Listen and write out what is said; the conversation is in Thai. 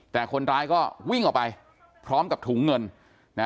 แต่คนร้ายก็วิ่งออกไปพร้อมกับถุงเงินนะ